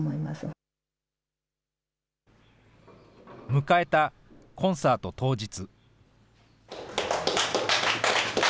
迎えたコンサート当日。